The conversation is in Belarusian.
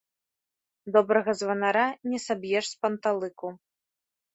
Добрага званара не саб'еш з панталыку.